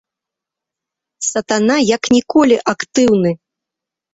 Сатана як ніколі актыўны.